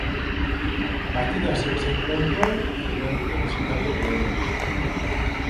Partida hasi bezain pronto eman dute bisitariek lehen abisua.